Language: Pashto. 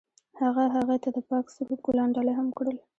هغه هغې ته د پاک سرود ګلان ډالۍ هم کړل.